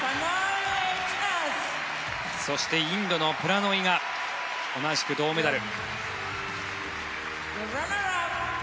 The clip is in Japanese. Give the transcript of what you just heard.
そして、インドのプラノイが同じく銅メダル。